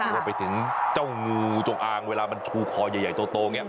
ว่าไปถึงเจ้างูจงอางเวลามันชูพอใหญ่โตโต